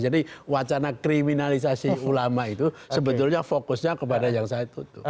jadi wacana kriminalisasi ulama itu sebenarnya fokusnya kepada yang satu